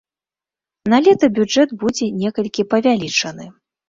Налета бюджэт будзе некалькі павялічаны.